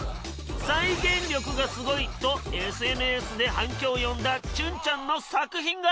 再現力がすごいとＳＮＳで反響を呼んだちゅんちゃんの作品が。